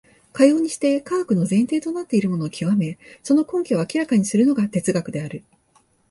かようにして科学の前提となっているものを究め、その根拠を明らかにするのが哲学である。